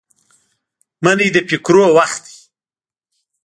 منی د فکرونو وخت دی